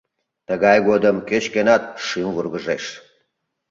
Тыгай годым кеч-кӧнат шӱм вургыжеш.